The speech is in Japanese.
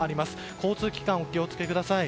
交通機関、お気をつけください。